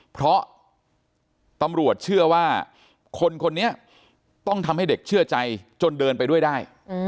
เพราะตำรวจเชื่อว่าคนคนนี้ต้องทำให้เด็กเชื่อใจจนเดินไปด้วยได้